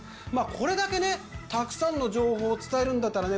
これだけねたくさんの情報を伝えるんだったらね